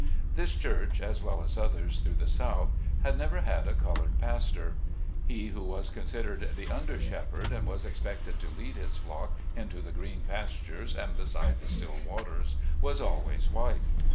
This church, as well as others through the South, had never had a colored pastor. He who was con sidered the under Shepherd and was expected to lead his flock into the green pastures, and beside the still waters, was always white.